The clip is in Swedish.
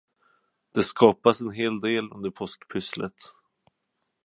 Det skapas en hel del under påskpysslet.